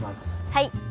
はい！